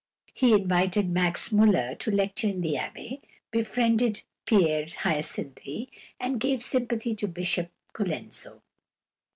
He invited Max Müller to lecture in the Abbey, befriended Père Hyacinthe, and gave sympathy to Bishop Colenso.